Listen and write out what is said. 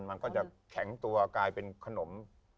มันก็จะแข็งตัวกลายเป็นขนม